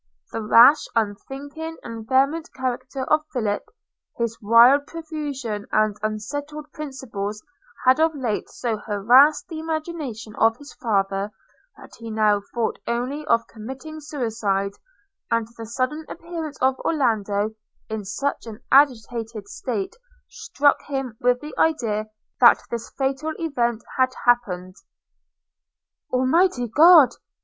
– The rash, unthinking, and vehement character of Philip, his wild profusion, and unsettled principles, had of late so harassed the imagination of his father, that he now thought only of committing suicide; and the sudden appearance of Orlando, in such an agitated state, struck him with the idea that this fatal event had happened – 'Almighty God!'